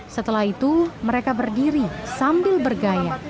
setelah itu mereka berdiri sambil bergaya